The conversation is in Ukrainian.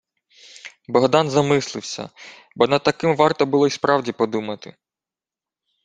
Богдан замислився, бо над таким варто було й справді подумати.